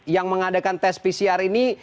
yang mengadakan tes pcr ini